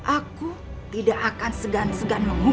aku tidak akan segan segan mengumum